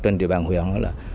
trên địa bàn huyện